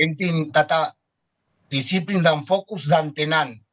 penting tetap disiplin dan fokus dan tenang